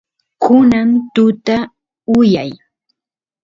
kunan tuta yuyay